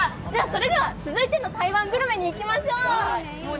それでは続いての台湾グルメにいきましょう。